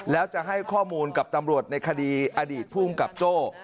แล้วจะให้ข้อมูลกับตำรวจในคดีอดีตภูมิกับโจ้